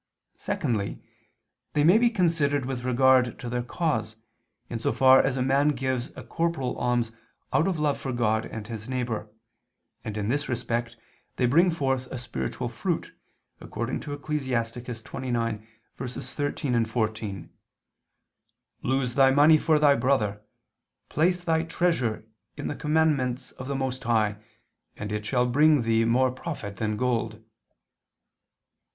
Secondly, they may be considered with regard to their cause, in so far as a man gives a corporal alms out of love for God and his neighbor, and in this respect they bring forth a spiritual fruit, according to Ecclus. 29:13, 14: "Lose thy money for thy brother ... place thy treasure in the commandments of the Most High, and it shall bring thee more profit than gold."